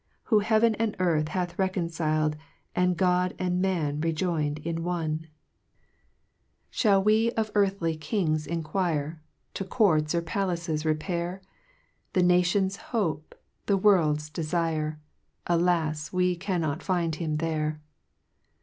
Who heaven and earth hath reconcil'd, And God and man rc join'd in, one? 2 Shall ( 15 ) 1 Shall we of earthly kings enquire ? To courts or palaces repair ? The Nation's Hope, the World's Dcfirc, Alas ! we cannot find him there.